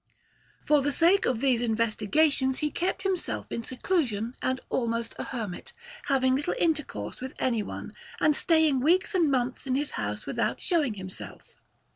For the sake of these investigations he kept himself in seclusion and almost a hermit, having little intercourse with anyone, and staying weeks and months in his house without showing himself.